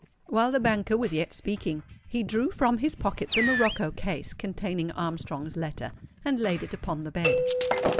While the banker was yet speaking, he drew from his pocket the morocco case containing Armstrong's letter, and laid it upon the bed.